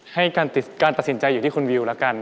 การตัดสินใจอยู่ที่คุณวิวแล้วกัน